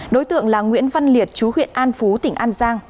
đối tượng là nguyễn văn liệt chú huyện an phú tỉnh an giang